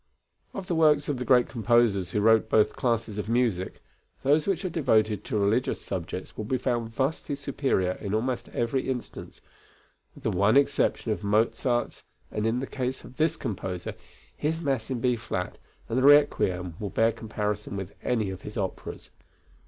Of the works of the great composers who wrote both classes of music, those which are devoted to religious subjects will be found vastly superior in almost every instance, with the one exception of Mozart's and in the case of this composer, his Mass in B flat and the Requiem will bear comparison with any of his operas.